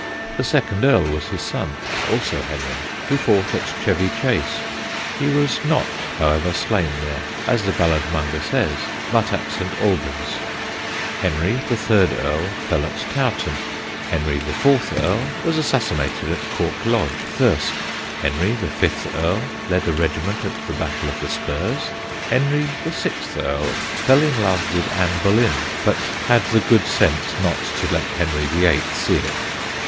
The second Earl was his son, also Henry, who fought at Chevy Chase; he was not, however, slain there, as the balladmonger says, but at St. Albans. Henry, the third Earl, fell at Towton; Henry, the fourth Earl, was assassinated at Cock Lodge, Thirsk; Henry, the fifth Earl, led a regiment at the Battle of the Spurs; Henry, the sixth Earl, fell in love with Anne Boleyn, but had the good sense not to let Henry the Eighth see it.